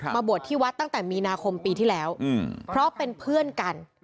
บวชที่วัดตั้งแต่มีนาคมปีที่แล้วเพราะเป็นเพื่อนกัน